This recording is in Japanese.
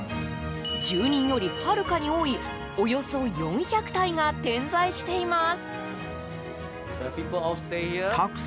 住人よりはるかに多いおよそ４００体が点在しています。